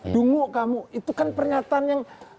dunguk kamu itu kan pernyataan yang